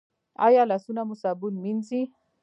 ایا لاسونه مو صابون مینځئ؟